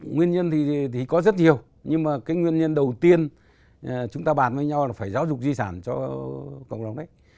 nguyên nhân thì có rất nhiều nhưng mà cái nguyên nhân đầu tiên chúng ta bàn với nhau là phải giáo dục di sản cho cộng đồng đấy